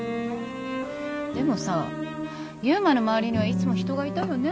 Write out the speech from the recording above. でもさ悠磨の周りにはいつも人がいたよね。